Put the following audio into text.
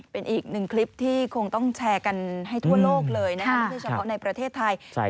เป็นอีกหนึ่งคลิปที่คงต้องแชร์กันให้ทั่วโลกเลยนะครับไม่ใช่เฉพาะในประเทศไทย